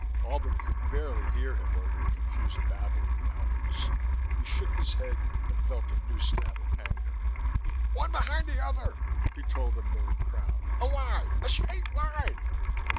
Albin could barely hear him over the confused babble of the Alberts. He shook his head and felt a new stab of anger. "One behind the other," he told the milling crowd. "A line, a straight line."